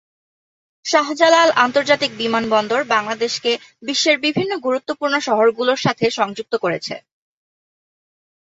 শাহজালাল আন্তর্জাতিক বিমানবন্দর বাংলাদেশকে বিশ্বের বিভিন্ন গুরুত্বপূর্ণ শহরগুলোর সাথে সংযুক্ত করেছে।